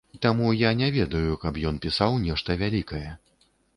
Таму я не ведаю, каб ён пісаў нешта вялікае.